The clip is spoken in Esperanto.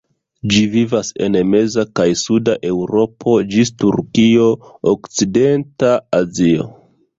Ĝi vivas en meza kaj suda Eŭropo ĝis Turkio, okcidenta Azio.